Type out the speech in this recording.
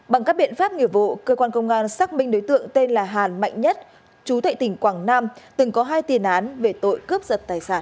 bằng các biện pháp nghiệp vụ cơ quan công an xác minh đối tượng tên là hàn mạnh nhất chú tại tỉnh quảng nam từng có hai tiền án về tội cướp giật tài sản